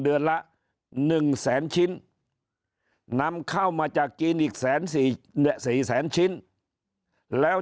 เดือนละ๑แสนชิ้นนำเข้ามาจากจีนอีก๔แสนชิ้นแล้ว